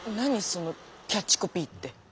そのキャッチコピーって。